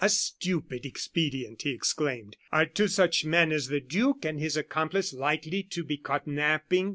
"A stupid expedient!" he exclaimed. "Are two such men as the duke and his accomplice likely to be caught napping?